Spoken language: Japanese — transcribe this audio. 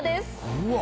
うわ！